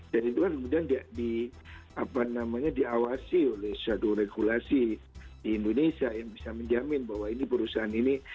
dan itu kan kemudian diawasi oleh satu regulasi di indonesia yang bisa menjamin bahwa ini perusahaan ini